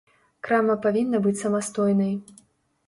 Крама павінна быць самастойнай.